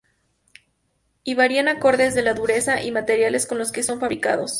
Y varían acordes a la dureza y materiales con los que son fabricados.